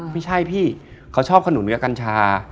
ไม่ใช่พี่เขาชอบขนุนเงือกันชา